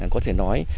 có thể nói